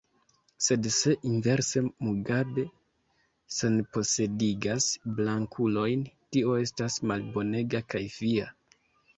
Sed se inverse Mugabe senposedigas blankulojn, tio estas malbonega kaj fia.